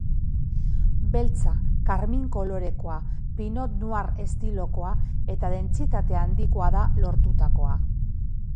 Beltza, karmin kolorekoa, pinot noir estilokoa eta dentsitate handikoa da lortutakoa.